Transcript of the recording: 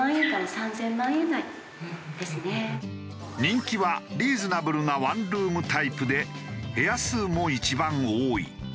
人気はリーズナブルなワンルームタイプで部屋数も一番多い。